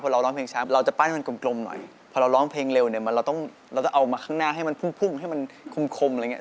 เราร้องเพลงช้าเราจะปั้นให้มันกลมหน่อยพอเราร้องเพลงเร็วเนี่ยมันเราต้องเราจะเอามาข้างหน้าให้มันพุ่งให้มันคมอะไรอย่างเง